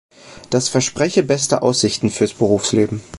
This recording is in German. Das verspreche beste Aussichten fürs Berufsleben.